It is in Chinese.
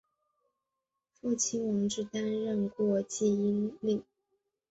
父亲王志担任过济阴令。